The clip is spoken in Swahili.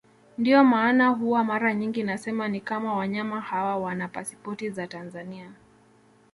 Ndio maana huwa mara nyingi nasema ni kama wanyama hawa wana pasipoti za Tanzania